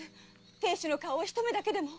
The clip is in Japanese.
亭主の顔を一目だけでも。